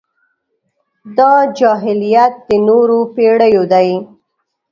دا جاهلیت د نورو پېړيو دی.